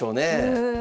うん。